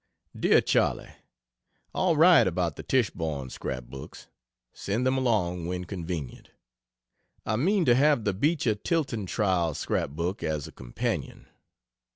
DEAR CHARLEY, All right about the Tichborn scrapbooks; send them along when convenient. I mean to have the Beecher Tilton trial scrap book as a companion.....